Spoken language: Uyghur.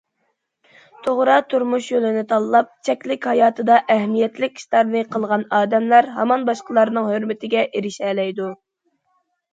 توغرا تۇرمۇش يولىنى تاللاپ، چەكلىك ھاياتىدا ئەھمىيەتلىك ئىشلارنى قىلغان ئادەملەر ھامان باشقىلارنىڭ ھۆرمىتىگە ئېرىشەلەيدۇ.